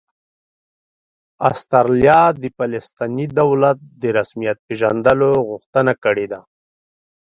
استرالیا د فلسطیني دولت د رسمیت پېژندلو غوښتنه کړې ده